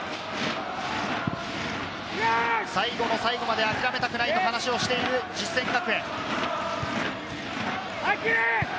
最後の最後まで諦めたくないと話をしている実践学園。